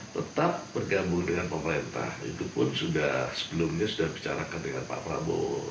tetap bergabung dengan pemerintah itu pun sudah sebelumnya sudah bicarakan dengan pak prabowo